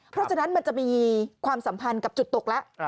เพราะฉะนั้นมันจะมีความสัมพันธ์กับจุดตกแล้ว